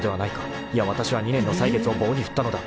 ［いやわたしは２年の歳月を棒に振ったのだ］